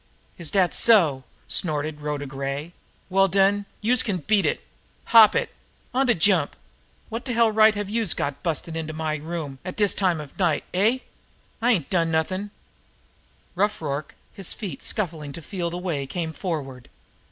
"Is dat so?" snorted Rhoda Gray. "Well den, youse can beat it hop it on de jump! Wot t'hell right have youse got bustin' into me room at dis time of night eh? I ain't done nothin'!" Rough Rorke, his feet scuffling to feel the way, came forward.